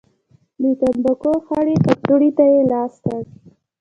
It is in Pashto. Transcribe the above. د تنباکو خړې کڅوړې ته يې لاس کړ.